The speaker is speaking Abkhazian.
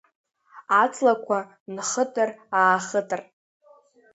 Аҵлақәа нхытыр-аахытыр…